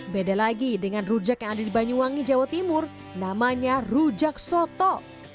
beda lagi dengan rujak yang ada di banyuwangi jawa timur namanya rujak soto